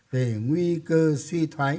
về nguy cơ suy thoái